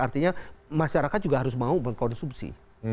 artinya masyarakat juga harus mau mengkonsumsi